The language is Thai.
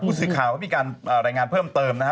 ผู้ซื้อข่าวมีการอะไรงานเพิ่มเติมนะฮะ